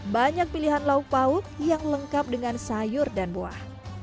banyak pilihan lauk pauk yang lengkap dengan sayur dan buah